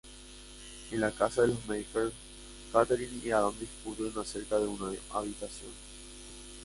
En la casa de los Mayfair, Katherine y Adam discuten acerca de una habitación.